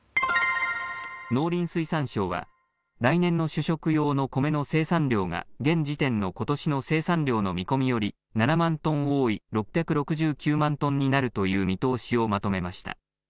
農林水産省は来年の主食用のコメの生産量が現時点のことしの生産量の見込みより７万トン多い６６９万トンになるという見通しをまとめました。